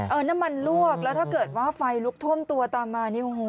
เออนามันรั่วออกฟ้ายลุกท่วมตัวต่อมา